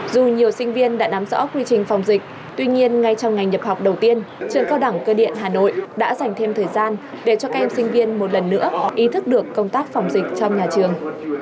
dù nhiều sinh viên đã nắm rõ quy trình phòng dịch tuy nhiên ngay trong ngày nhập học đầu tiên trường cao đẳng cơ điện hà nội đã dành thêm thời gian để cho các em sinh viên một lần nữa ý thức được công tác phòng dịch trong nhà trường